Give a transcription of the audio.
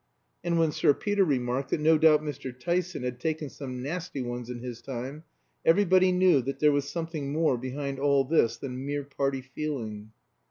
And when Sir Peter remarked that "no doubt Mr. Tyson had taken some nasty ones in his time," everybody knew that there was something more behind all this than mere party feeling.